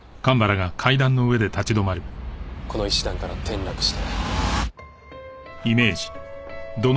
この石段から転落して。